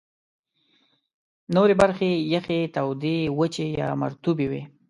نورې برخې یخي، تودې، وچي یا مرطوبې وې.